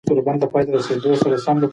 که لمر راوخېژي خونه به توده شي.